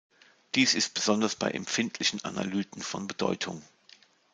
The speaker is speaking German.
Dies ist besonders bei empfindlichen Analyten von Bedeutung.